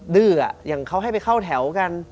ดื้ออย่างเขาให้ไปเข้าแถวกัน